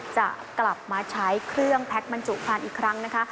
จะกลับมาใช้เครื่องแพทย์บรรจุคลานอีกครั้งนะคะ